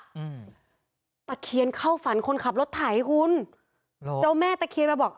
อืมตะเคนเข้าฝันคนขับรถถ่ายให้คุณเจ้าแม่ตะเคนมาบอก